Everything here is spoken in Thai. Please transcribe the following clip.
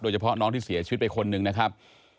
โดยเฉพาะน้องที่เสียชีวิตไปคนหนึ่งนะครับ